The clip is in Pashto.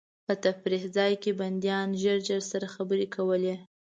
په تفریح ځای کې بندیان ژر ژر سره خبرې کولې.